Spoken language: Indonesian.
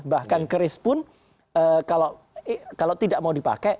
bahkan keris pun kalau tidak mau dipakai